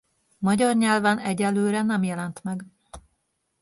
Magyar nyelven egyelőre nem jelent meg.